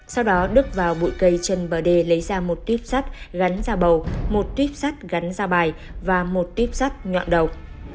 sau đó đức vào bụi cây trần bờ đê lấy ra một tuyếp sắt gắn ra bầu một tuyếp sắt gắn ra bài và một tuyếp sắt nhọn đầu